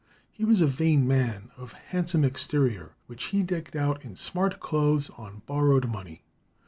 He was a vain man, of handsome exterior, which he decked out in smart clothes on borrowed money.